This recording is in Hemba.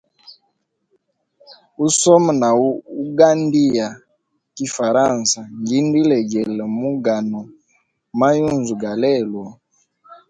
Usoma na ugandia kifaransa ngindu ilegele mu gano mayunzu ga lelo.